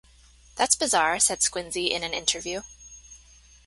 That's bizarre, said Squinzi in an interview.